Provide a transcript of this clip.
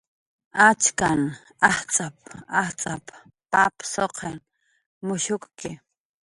"Achkanh ajtz'ap"" ajtz'ap"" pap suqn mushukki"